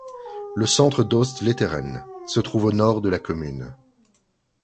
Le centre d'Oostvleteren se trouve au nord de la commune.